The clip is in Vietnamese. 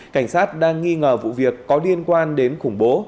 cảnh sát đang nghi ngờ vụ việc có liên quan đến khủng bố